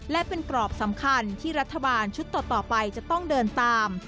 และเป็นกรอบสำคัญที่รัฐบาลชุดต่อไปจะต้องเดินตาม